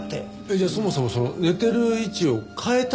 じゃあそもそもその寝ている位置を変えたって事？